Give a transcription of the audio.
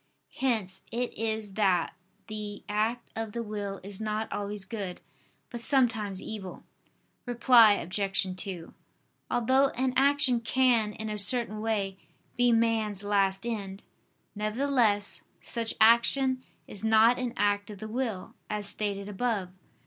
Hence it is that the act of the will is not always good, but sometimes evil. Reply Obj. 2: Although an action can, in a certain way, be man's last end; nevertheless such action is not an act of the will, as stated above (Q.